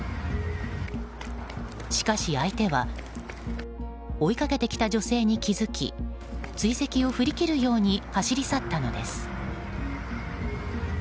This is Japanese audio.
しかし相手は追いかけてきた女性に気づき追跡を振り切るように走り去ったのです。